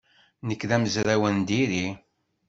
Nekk d amezraw n diri.